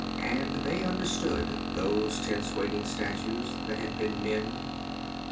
And they understood, those tense, waiting statues that had been men....